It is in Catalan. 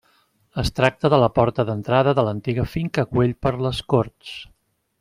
Es tracta de la porta d'entrada de l'antiga Finca Güell per les Corts.